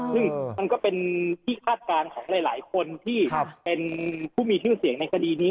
ซึ่งมันก็เป็นที่คาดการณ์ของหลายคนที่เป็นผู้มีชื่อเสียงในคดีนี้